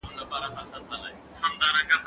زه اوږده وخت پلان جوړوم وم!!